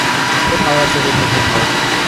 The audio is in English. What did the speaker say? Four power-ups are needed for full power.